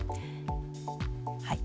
はい。